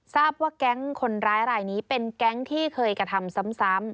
ทราบว่าแก๊งคนร้ายรายนี้เป็นแก๊งที่เคยกระทำซ้ำ